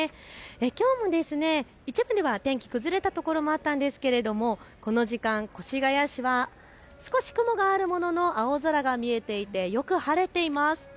きょうも一部では天気、崩れたところもあったんですがこの時間、越谷市は少し雲があるものの青空が見えていてよく晴れています。